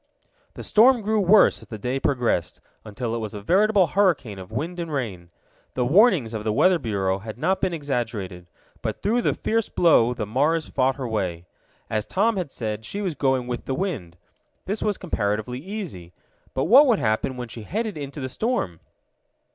The storm grew worse as the day progressed, until it was a veritable hurricane of wind and rain. The warnings of the Weather Bureau had not been exaggerated. But through the fierce blow the Mars fought her way. As Tom had said, she was going with the wind. This was comparatively easy. But what would happen when she headed into the storm?